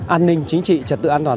an ninh chính trị trả tự an toàn